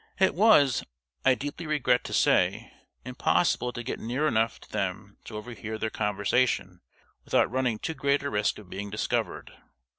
It was, I deeply regret to say, impossible to get near enough to them to overhear their conversation without running too great a risk of being discovered.